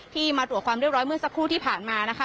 มาตรวจความเรียบร้อยเมื่อสักครู่ที่ผ่านมานะคะ